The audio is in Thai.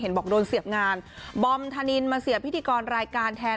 บอกโดนเสียบงานบอมธนินมาเสียบพิธีกรรายการแทน